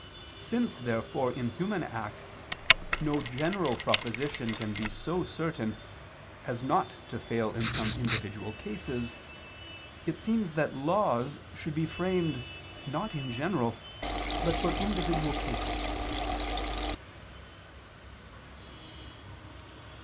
Since therefore in human acts no general proposition can be so certain as not to fail in some individual cases, it seems that laws should be framed not in general but for individual cases.